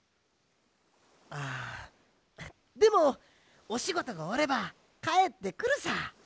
ああでもおしごとがおわればかえってくるさ！